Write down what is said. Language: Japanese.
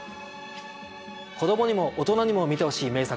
子供にも大人にも見てほしい名作。